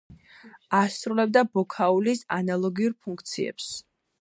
ასრულებდა ბოქაულის ანალოგიურ ფუნქციებს.